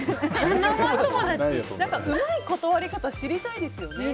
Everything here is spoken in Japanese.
うまい断り方知りたいですよね。